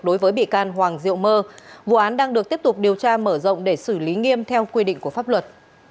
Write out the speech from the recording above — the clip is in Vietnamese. đối với bị can hoàng diệu mơ vụ án đang được tiếp tục điều tra mở rộng để xử lý nghiêm theo quy định của pháp luật